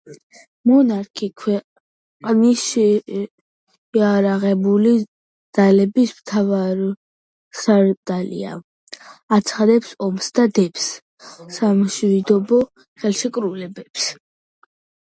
მონარქი ქვეყნის შეიარაღებული ძალების მთავარსარდალია, აცხადებს ომს და დებს სამშვიდობო ხელშეკრულებებს.